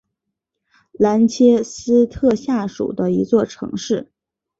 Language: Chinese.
兰切斯特下属的一座城市。